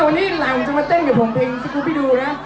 วันนี้หลังจะมาเต้นกับผมเพลงสกรูปให้ดูนะ